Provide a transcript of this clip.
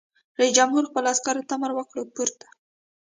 رئیس جمهور خپلو عسکرو ته امر وکړ؛ پورته!